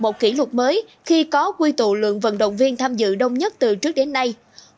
một kỷ luật mới khi có quy tụ lượng vận động viên tham dự đông nhất từ trước đến nay